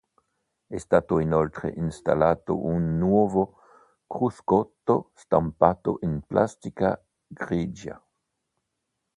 È stato inoltre installato un nuovo cruscotto stampato in plastica grigia.